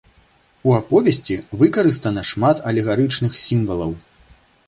У аповесці выкарыстана шмат алегарычных сімвалаў.